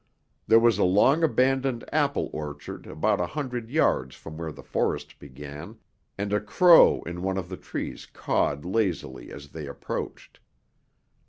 There was a long abandoned apple orchard about a hundred yards from where the forest began, and a crow in one of the trees cawed lazily as they approached.